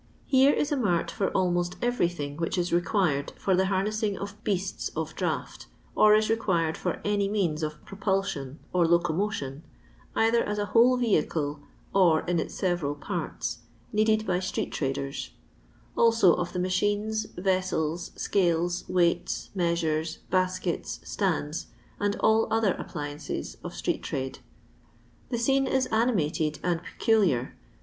Here is a mart for almost everything which is required for the har nessing of beasts of draught, or is required for any means of propulsion or locomotion, either as a whole vehicle, or in its several parts, needed by street traders : also of the machines, vessels, scales, weights, measures, baskets, stands, and all other appliances of street trade. The scene is animated and peculiar.